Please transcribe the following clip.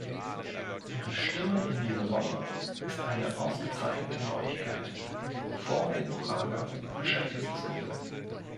Ihre Stimme in dieser Woche ist eine ausgezeichnete Neuigkeit vor dem Prager Beschäftigungsgipfel.